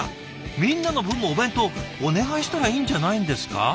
みんなの分もお弁当お願いしたらいいんじゃないんですか？